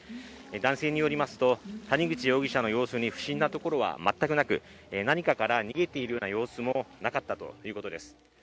男性によりますと、谷口容疑者の様子に不審なところは全くなく、何かから逃げている様子もなかったというきことです。